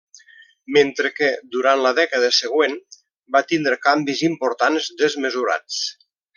Mentre que durant la dècada següent, va tindre canvis importants desmesurats.